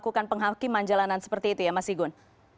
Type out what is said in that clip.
melakukan penghakiman jalanan seperti itu ya mas igun